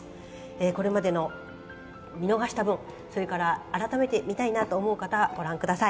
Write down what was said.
これまでの見逃した分それから改めてみたいと思う方ご覧ください。